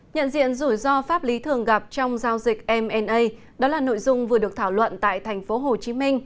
nhận diện rủi ro pháp lý thường gặp trong giao dịch m đó là nội dung vừa được thảo luận tại tp hcm